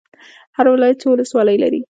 هر ولایت څو ولسوالۍ لري؟